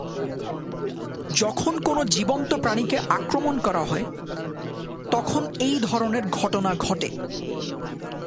যখন কোন জীবন্ত প্রাণীকে আক্রমণ করা হয়, তখন এই ধরনের ঘটনা ঘটে।